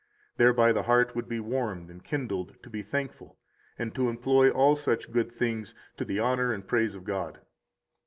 Thereby the heart would be warmed and kindled to be thankful, and to employ all such good things to the honor and praise of God.